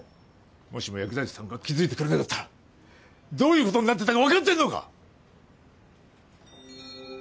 もしも薬剤師さんが気づいてくれなかったらどういう事になってたかわかってるのか！？